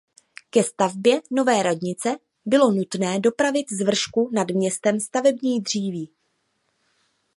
Ke stavbě nové radnice bylo nutné dopravit z vršku nad městem stavební dříví.